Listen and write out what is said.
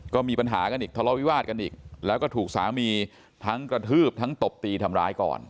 ก็มีปัญหากันอีกทะเลาวิวาสกันอีกแล้วก็ถูกสามีทั้งกระทืบทั้งตบตีทำร้ายก่อน